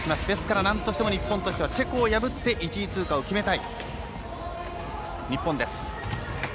ですから、なんとしても日本としてはチェコを破って１位通過を決めたい日本です。